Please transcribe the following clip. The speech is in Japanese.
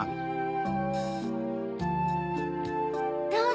どうぞ！